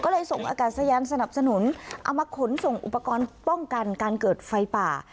ก็เลยส่งอากาศยานสนับสนุนเอามาขนส่งอุปกรณ์ป้องกันการเกิดไฟป่า